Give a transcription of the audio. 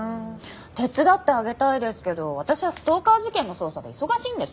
手伝ってあげたいですけど私はストーカー事件の捜査で忙しいんです。